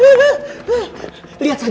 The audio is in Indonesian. segek tapi ada seorang